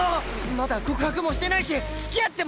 まだ告白もしてないし付き合ってもないし